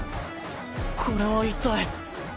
これは一体。